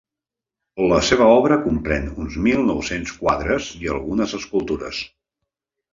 La seva obra comprèn uns mil nou-cents quadres i algunes escultures.